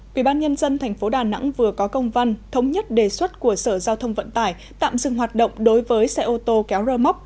quỹ ban nhân dân tp đà nẵng vừa có công văn thống nhất đề xuất của sở giao thông vận tải tạm dừng hoạt động đối với xe ô tô kéo rơ móc